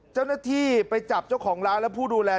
เจ้าหน้าที่ไปจับเจ้าของร้านและผู้ดูแล